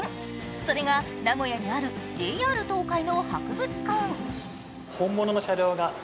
それが、名古屋にあるＪＲ東海の博物館。